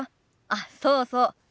あっそうそう。